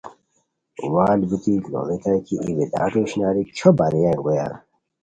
وال بیتی لوڑیتائے کی ای ویداݯو اشناری کھیو بارئے انگویان